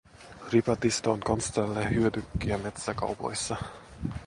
Ripatista on Konstalle hyödykkiä metsäkaupoissa.